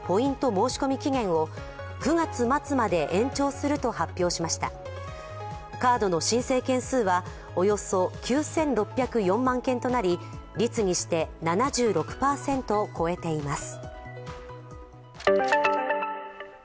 申し込み期限を９月末まで延長すると発表しましたカードの申請件数はおよそ９６０４万件となり率にして７６％を超えています。